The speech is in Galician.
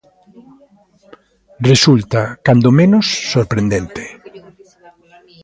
Resulta, cando menos, sorprendente.